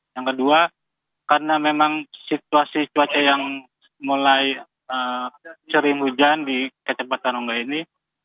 yang kedua karena memang situasi cuaca yang mulai sering hujan di kecepatan ombak ini